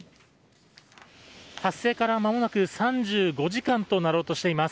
発生からまもなく３５時間になろうとしています。